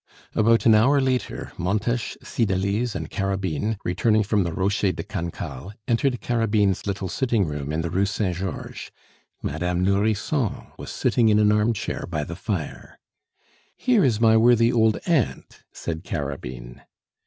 About an hour later, Montes, Cydalise, and Carabine, returning from the Rocher de Cancale, entered Carabine's little sitting room in the Rue Saint Georges. Madame Nourrisson was sitting in an armchair by the fire. "Here is my worthy old aunt," said Carabine.